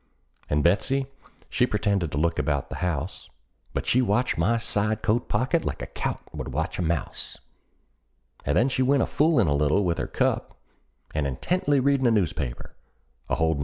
And Betsey, she pretended to look about the house, But she watched my side coat pocket like a cat would watch a mouse: And then she went to foolin' a little with her cup, And intently readin' a newspaper, a holdin' it wrong side up.